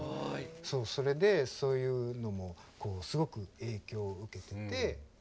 そうそれでそういうのもすごく影響を受けていてで